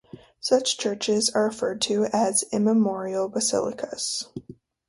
Such churches are referred to as immemorial basilicas.